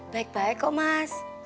baik baik kok mas